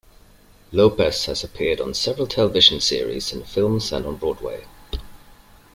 Lopez has appeared on several television series, in films, and on Broadway.